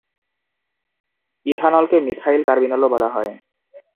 ইথানলকে methyl কার্বিনলও বলা হয়।